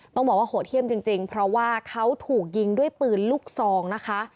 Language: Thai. ต้องบอกว่าโหดเยี่ยมจริงเพราะว่าเขาถูกยิงด้วยปืนลูกซองนะคะ